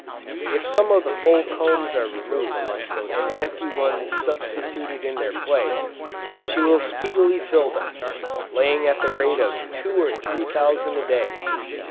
If some of the full combs are removed, and empty ones substituted in their place, she will speedily fill them, laying at the rate of two or three thousand a day!